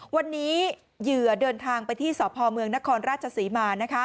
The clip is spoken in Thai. วันนี้เหยื่อเดินทางไปที่สพเมืองนครราชศรีมา